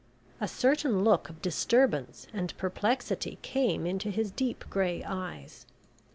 A certain look of disturbance and perplexity came into his deep grey eyes.